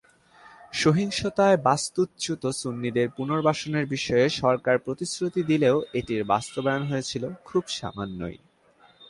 সহিংসতায় বাস্তুচ্যুত সুন্নিদের পুনর্বাসনের বিষয়ে সরকার প্রতিশ্রুতি দিলেও এটির বাস্তবায়ন হয়েছিল খুব সামান্যই।